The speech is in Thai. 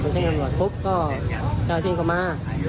เช่นกำรวจพรุกก็เจ้าหน้าที่ก็มา